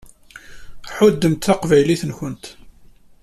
Ḥuddemt taqbaylit-nkent.